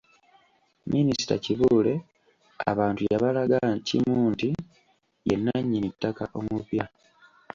Minisita Kibuule abantu yabalaga kimu nti ye nnannyini ttaka omupya.